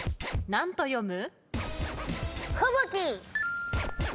何と読む？